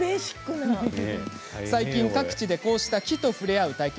最近、各地でこうした木と触れ合う体験